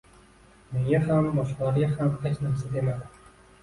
Menga ham, boshqalarga ham hech narsa demadi.